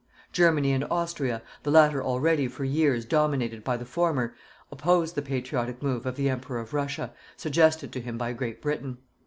Germany and Austria, the latter already for years dominated by the former, opposed the patriotic move of the Emperor of Russia, suggested to him by Great Britain.